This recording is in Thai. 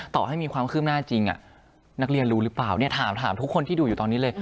ต่อให้มีความคืบหน้าจริงนักเรียนรู้หรือเปล่าเนี่ยถามทุกคนที่ดูอยู่ตอนนี้เลย